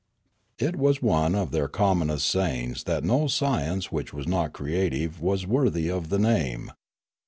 It was one of their commonest sayings that no science which was not creative was worthy of the name.